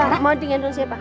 askara mau di gendong siapa